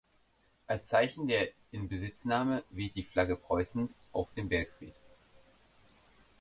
Als Zeichen der Inbesitznahme weht die Flagge Preußens auf dem Bergfried.